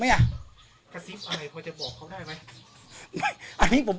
อ่ะกระซิบอะไรพอจะบอกเขาได้ไหมอันนี้ผม